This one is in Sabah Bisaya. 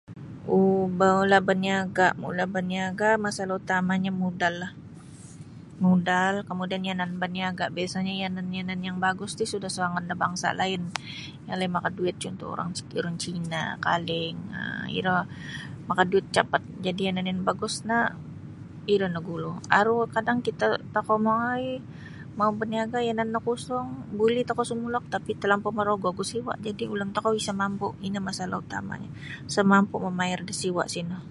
um ba mula' baniaga' mula' baniaga' masalah utamanyo modallah modal kamudian yanan baniaga' biasa'nyo yanan-yanan yang bagus ti sudah suangan da bangsa lain yang lagi' makaduit cuntuh urang seperti urang Cina Kaling um iro makaduit capat jadi' yanan-yanan bagus no iro nagulu aru kadang kita' tokou mongoi mau baniaga' yanan no kosong buli tokou sumulok tapi talampau morogo ogu siwa' jadi' ulun tokou isa' mampu' ino masalah utamanyo sa' mampu' mamayar da siwa' sino.